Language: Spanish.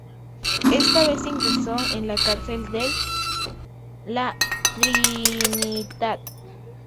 Esta vez ingresó en la cárcel de la Trinitat.